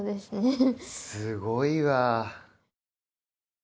すごいわ。